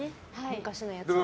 昔のやつを。